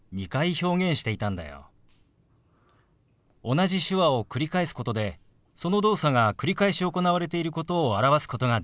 同じ手話を繰り返すことでその動作が繰り返し行われていることを表すことができるんだ。